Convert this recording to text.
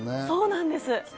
そうなんです。